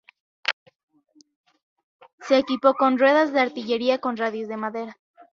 Se equipó con ruedas de artillería con radios de madera.